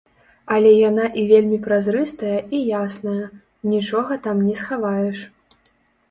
Але яна і вельмі празрыстая і ясная, нічога там не схаваеш.